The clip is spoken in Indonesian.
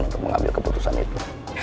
untuk mengambil keputusan itu